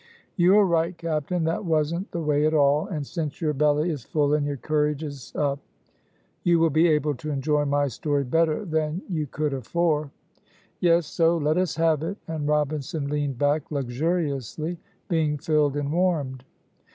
"You are right, captain, that wasn't the way at all; and, since your belly is full and your courage up, you will be able to enjoy my story better than you could afore." "Yes, so let us have it;" and Robinson leaned back luxuriously, being filled and warmed.